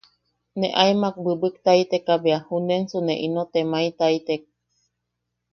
Ne aemak bwibwiktaiteka bea junensu ne ino temaetaitek.